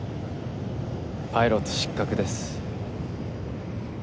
パイロット失格です。